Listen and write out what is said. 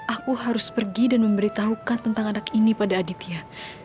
aku harus pergi dan memberitahukan tentang anak ini pada aditya